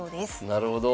なるほど。